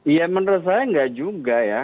ya menurut saya enggak juga ya